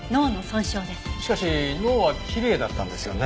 しかし脳はきれいだったんですよね？